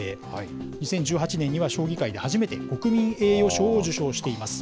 ２０１８年には将棋界で初めて国民栄誉賞を受賞しています。